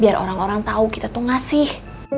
biar orang orang tahu kita tuh ngasih